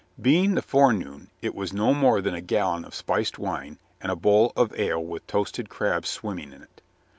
Being the forenoon, it was no more than a gallon of spiced wine and a bowl of ale with toasted crabs swimming in it.